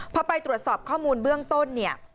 พอไปตรวจสอบข้อมูลเบื้องต้นเนี่ย